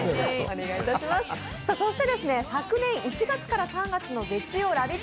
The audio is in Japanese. そして昨年１月から３月の月曜「ラヴィット！」